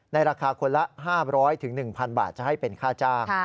ราคาคนละ๕๐๐๑๐๐บาทจะให้เป็นค่าจ้าง